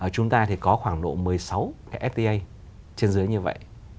chúng ta thì có khoảng độ một mươi sáu cái fta trên dưới như vậy